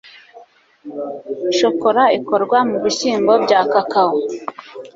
shokora ikorwa mu bishyimbo bya kakao